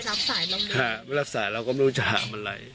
แต่เขาไม่รับสายเรามีไม่รับสายเราก็ไม่รู้จะถามอะไร